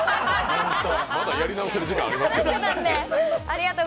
まだやり直せる時間ありますよ？